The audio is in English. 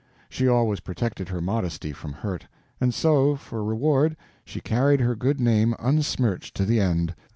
She always protected her modesty from hurt; and so, for reward, she carried her good name unsmirched to the end.